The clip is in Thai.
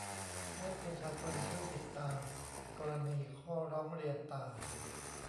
ให้ประชาชนช่วยติดตามกรณีข้อร้องเรียนต่าง